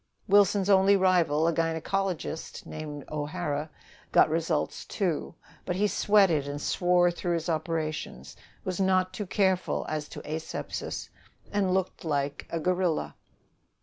Wilson's only rival, a gynecologist named O'Hara, got results, too; but he sweated and swore through his operations, was not too careful as to asepsis, and looked like a gorilla.